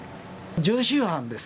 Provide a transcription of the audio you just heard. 常習犯です。